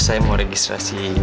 saya mau registrasi